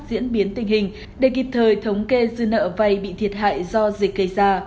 diễn biến tình hình để kịp thời thống kê dư nợ vay bị thiệt hại do dịch gây ra